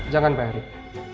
jangan pak eric